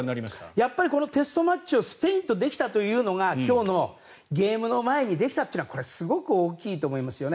やっぱりテストマッチをスペインとできたというのが今日のゲームの前にできたというのはこれすごく大きいと思いますよね。